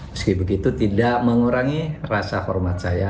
meski begitu tidak mengurangi rasa hormat saya